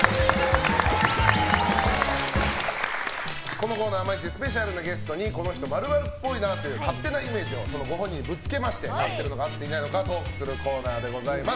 このコーナーは毎日スペシャルなゲストにこの人○○っぽいという勝手なイメージをご本人にぶつけまして合ってるのか合ってないのかトークするコーナーでございます。